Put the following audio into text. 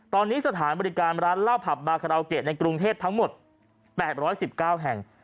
ตอนนี้สถานบริการร้านเหล้าผับบาคาราโอเกะในกรุงเทพทั้งหมด๘๑๙แห่ง